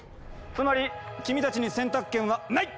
つまり君たちに選択権はない！